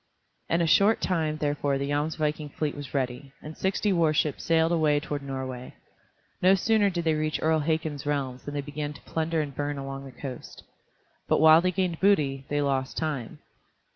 In a short time therefore the Jomsviking fleet was ready, and sixty warships sailed away toward Norway. No sooner did they reach Earl Hakon's realms than they began to plunder and burn along the coast. But while they gained booty, they lost time.